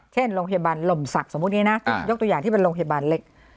เช่นโรงพยาบาลหล่มศักดิ์สมมุติอย่างนี้นะยกตัวอย่างที่เป็นโรงพยาบาลเล็ก